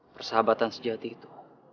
persahabatan sejati itu